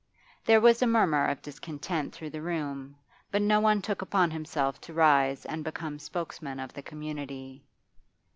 There was a murmur of discontent through the room, but no one took upon himself to rise and become spokesman of the community.